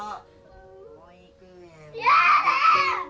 やだ！